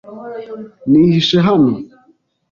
Nihishe hano .